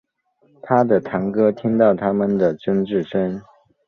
他的堂哥听到他们的争执声